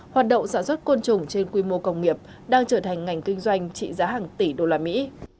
hoạt động sản xuất côn trùng trên quy mô công nghiệp đang trở thành ngành kinh doanh trị giá hàng tỷ đô la mỹ